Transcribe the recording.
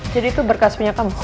jadi itu berkas punya kamu